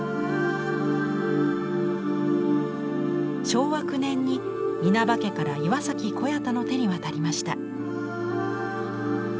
昭和９年に稲葉家から岩小彌太の手に渡りました。